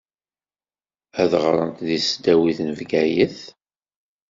Ad ɣṛent di tesdawit n Bgayet.